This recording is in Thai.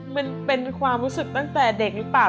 มันเป็นความรู้สึกตั้งแต่เด็กหรือเปล่า